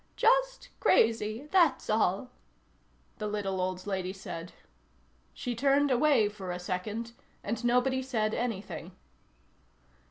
"Just crazy, that's all," the little old lady said. She turned away for a second and nobody said anything.